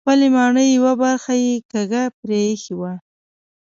خپلې ماڼۍ یوه برخه یې کږه پرېښې وه.